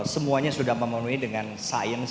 semuanya sudah memenuhi dengan sains